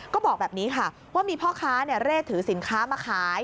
ก็บอกแบบนี้ค่ะว่ามีพ่อค้าเร่ถือสินค้ามาขาย